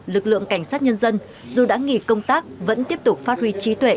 lực lượng cảnh sát nhân dân dù đã nghỉ công tác vẫn tiếp tục phát huy trí tuệ